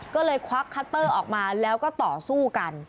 ก็เลยควักคัตเตอร์ออกมาแล้วก็ต่อสู้กัน